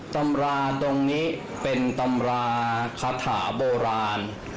ตำราตรงนี้เป็นตำราคาถาโบราณ